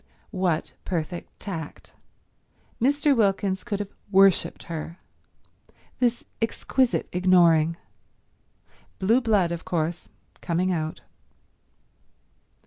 What perfect tact. Mr. Wilkins could have worshipped her. This exquisite ignoring. Blue blood, of course, coming out.